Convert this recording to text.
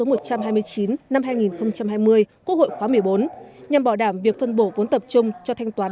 năm hai nghìn hai mươi quốc hội khóa một mươi bốn nhằm bảo đảm việc phân bổ vốn tập trung cho thanh toán